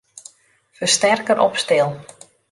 Fersterker op stil.